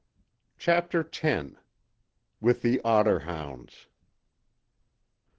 CHAPTER X WITH THE OTTER HOUNDS.